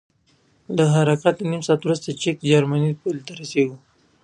له حرکت نه نیم ساعت وروسته د چک جرمني پولې ته رسیږو.